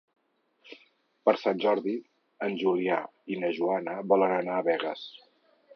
Per Sant Jordi en Julià i na Joana volen anar a Begues.